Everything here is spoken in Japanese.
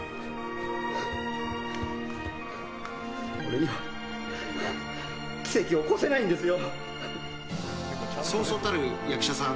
俺には奇跡を起こせないんですよ！